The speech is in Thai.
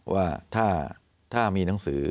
ว่าถ้ามีหนังสือ